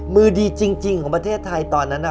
มือดีจริงของประเทศไทยตอนนั้น